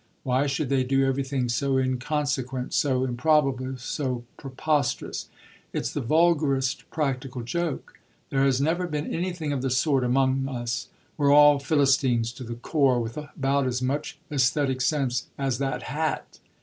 Why should they do everything so inconsequent, so improbable, so preposterous? It's the vulgarest practical joke. There has never been anything of the sort among us; we're all Philistines to the core, with about as much esthetic sense as that hat.